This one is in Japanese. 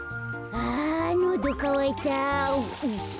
あのどかわいた。